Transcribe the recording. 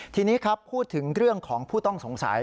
ทีนี้ครับพูดถึงเรื่องของผู้ต้องสงสัย